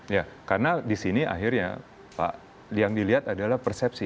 ya karena di sini akhirnya yang dilihat adalah persepsi